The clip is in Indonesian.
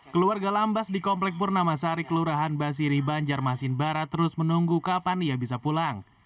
keluarga lambas di komplek purnamasari kelurahan basiri banjarmasin barat terus menunggu kapan ia bisa pulang